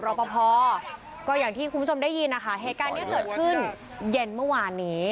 ก็อย่างที่คุณผู้ชมได้ยินนะคะเหตุการณ์นี้เกิดขึ้นเย็นเมื่อวานนี้